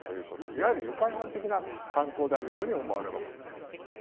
いわゆる愉快犯的な犯行であるように思われます。